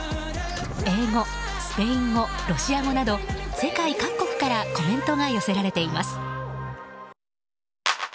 英語、スペイン語、ロシア語など世界各国からコメントが寄せられています。